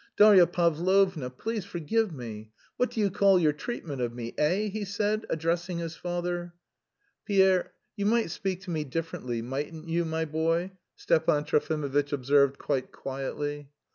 Darya Pavlovna, please forgive me!... What do you call your treatment of me, eh?" he said, addressing his father. "Pierre, you might speak to me differently, mightn't you, my boy," Stepan Trofimovitch observed quite quietly.